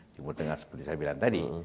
timur tengah seperti saya bilang tadi